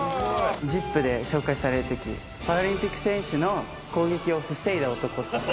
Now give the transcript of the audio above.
ＺＩＰ！で紹介されるとき、パラリンピック選手の攻撃を防いだ男。